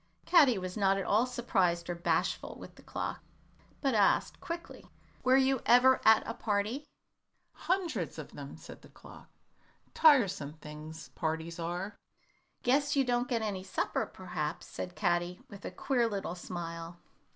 Caddy was not at all surprised or bashful with the clock, but asked, quickly, "Were you ever at a party?" "Hundreds of them," said the clock. "Tiresome things, parties are." "Guess you don't get any supper, perhaps," said Caddy, with a queer little smile.